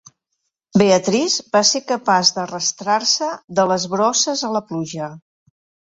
Beatrice va ser capaç d'arrastrar-se de les brosses a la pluja.